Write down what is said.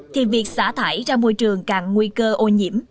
thì việc xả thải ra môi trường càng nguy cơ ô nhiễm